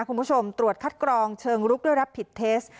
คุณผู้ชมตรวจคัดกรองเชิงลุกด้วยรับผิดเทส